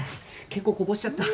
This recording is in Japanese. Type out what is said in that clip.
結構こぼしちゃった。